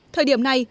thời điểm này